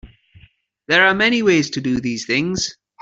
There are many ways to do these things.